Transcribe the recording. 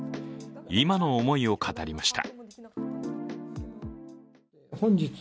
今の思いを語りました。